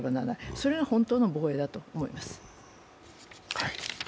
それが本当の防衛だと思うんです。